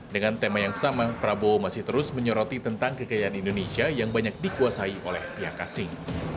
dengan tema yang sama prabowo masih terus menyoroti tentang kekayaan indonesia yang banyak dikuasai oleh pihak asing